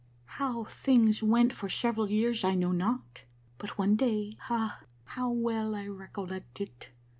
" How things went for several years I know not, but one day, ah, how well I recollect it